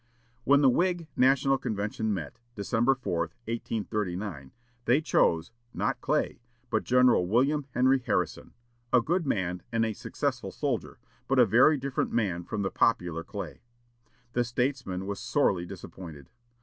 When the Whig national convention met, December 4, 1839, they chose, not Clay, but General William Henry Harrison, a good man and a successful soldier, but a very different man from the popular Clay. The statesman was sorely disappointed.